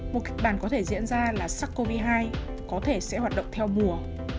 một kịch bản có thể diễn ra là sars cov hai có thể sẽ hoạt động theo mùa